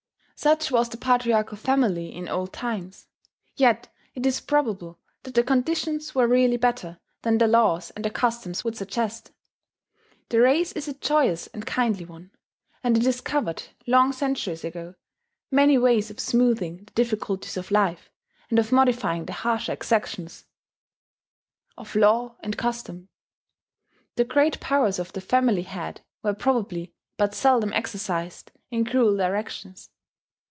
Such was the patriarchal family in old times; yet it is probable that conditions were really better than the laws and the customs would suggest. The race is a joyous and kindly one; and it discovered, long centuries ago, many ways of smoothing the difficulties of life, and of modifying the harsher exactions of law and custom. The great powers of the family head were probably but seldom exercised in cruel directions.